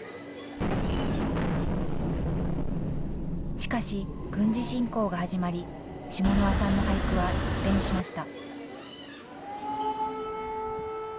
しかし、軍事侵攻が始まり、シモノワさんの俳句は一変しました。